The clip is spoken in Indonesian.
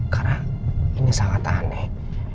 karena ini sangat aneh